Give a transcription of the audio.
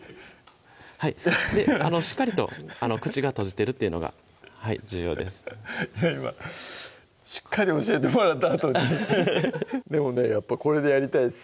はいしっかりと口が閉じてるっていうのが重要ですいや今しっかり教えてもらったあとにでもねやっぱこれでやりたいです